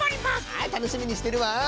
はいたのしみにしてるわ！